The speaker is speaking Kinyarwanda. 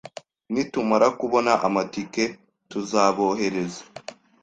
Nitumara kubona amatike, tuzabohereza